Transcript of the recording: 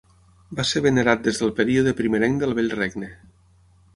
Va ser venerat des del període primerenc del Vell Regne.